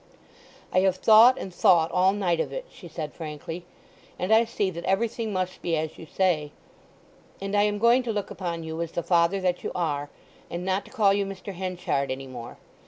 "I have thought and thought all night of it," she said frankly. "And I see that everything must be as you say. And I am going to look upon you as the father that you are, and not to call you Mr. Henchard any more.